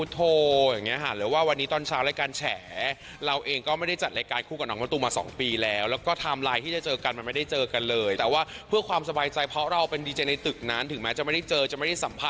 ตอนนี้ฝนจะออกมาเป็นยังไงเดี๋ยวติดตามดูได้นะคะ